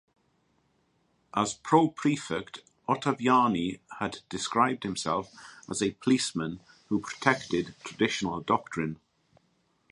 As Pro-Prefect Ottaviani had described himself as a "policeman" who protected traditional doctrine.